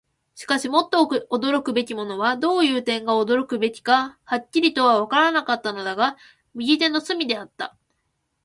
しかし、もっと驚くべきものは、どういう点が驚くべきかははっきりとはわからなかったのだが、右手の隅であった。